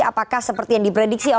apakah seperti yang diprediksi